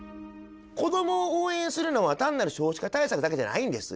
子どもを応援するのは、単なる少子化対策だけじゃないんです。